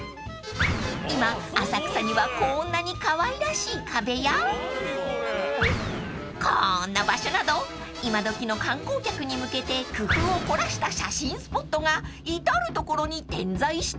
［今浅草にはこんなにかわいらしい壁やこんな場所などイマドキの観光客に向けて工夫を凝らした写真スポットが至る所に点在しています］